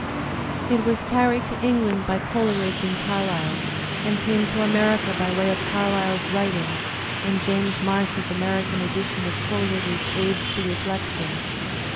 It was carried to Eng land by Coleridge and Carlyle, and came to America by way of Carlyle's writings and James Marsh's American edition of Coleridge's "Aids to Reflection."